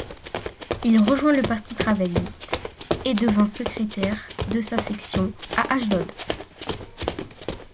Il rejoint le Parti travailliste, et devint secrétaire de sa section à Ashdod.